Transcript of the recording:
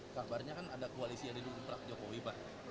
kabarnya kan ada koalisi yang hidup di jokowi pak